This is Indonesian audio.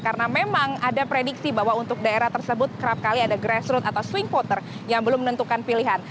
karena memang ada prediksi bahwa untuk daerah tersebut kerap kali ada grassroot atau swing potter yang belum menentukan pilihan